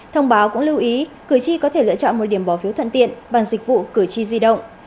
thông báo cũng lưu ý cử tri có thể lựa chọn một điểm bỏ phiếu thuận tiện bằng dịch vụ cử tri di động